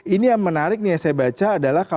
ini yang menarik nih yang saya baca adalah